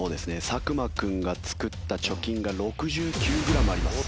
作間君が作った貯金が６９グラムあります。